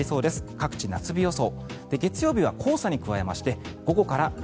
各地、夏日予想。